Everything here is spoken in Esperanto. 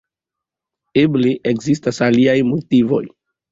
Eble, ekzistas aliaj motivoj.